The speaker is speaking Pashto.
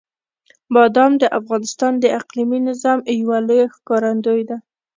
بادام د افغانستان د اقلیمي نظام یوه لویه ښکارندوی ده.